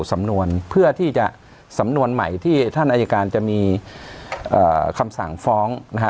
สำนวนเพื่อที่จะสำนวนใหม่ที่ท่านอายการจะมีคำสั่งฟ้องนะฮะ